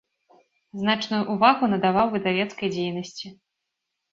Значную ўвагу надаваў выдавецкай дзейнасці.